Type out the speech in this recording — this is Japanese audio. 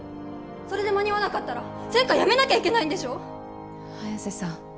それで間に合わなかったら専科やめなきゃいけないんでしょ早瀬さん